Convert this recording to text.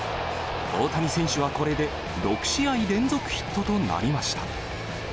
大谷選手はこれで、６試合連続ヒットとなりました。